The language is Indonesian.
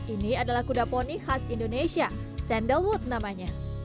ini adalah kuda poni khas indonesia sandalwood namanya